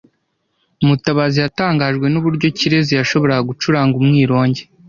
Mutabazi yatangajwe nuburyo Kirezi yashoboraga gucuranga umwironge.